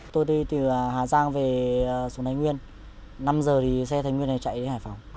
tôi đi từ hà giang về xuống thái nguyên năm giờ thì xe thái nguyên này chạy đến hải phòng